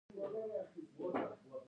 ایا ماشومتوب کې ناروغه وئ؟